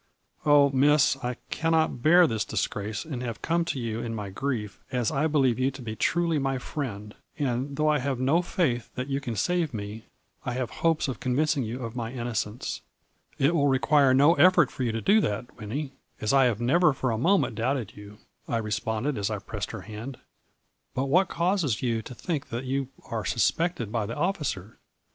Oh, Miss, I cannot bear this disgrace and have come to you in my grief, as I believe you to be truly my friend, and, though I have no faith that you can save me, I have hopes of convincing you of my innocence.' "' It will require no effort for you to do that, Winnie, as I have never for a moment doubted you,' I responded, as I pressed her hand. 4 But what causes you to think that you are suspected by the officer?